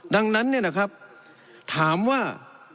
ดังนั้นเนี่ยนะครับถามว่า